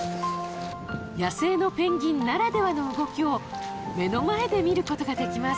野生のペンギンならではの動きを目の前で見ることができます